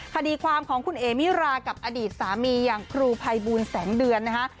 คดีความของคุณเอมิรากับอดีตสามีอย่างครูภัยบูลแสงเดือนนะฮะ